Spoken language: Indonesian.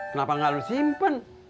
kenapa gak lu simpen